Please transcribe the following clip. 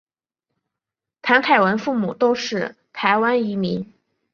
谭凯文父母都是台湾移民。